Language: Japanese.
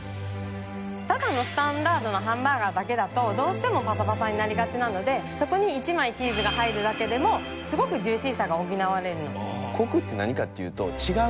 ただのスタンダードのハンバーガーだけだとどうしてもパサパサになりがちなのでそこに１枚チーズが入るだけでもすごくジューシーさが補われる。